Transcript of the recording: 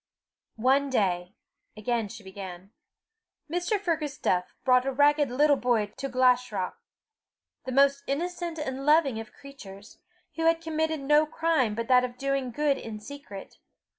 "One day," again she began, "Mr. Fergus Duff brought a ragged little boy to Glashruach the most innocent and loving of creatures, who had committed no crime but that of doing good in secret.